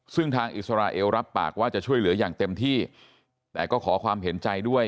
ซึ่งทางอิสราเอลรับปากว่าจะช่วยเหลืออย่างเต็มที่แต่ก็ขอความเห็นใจด้วย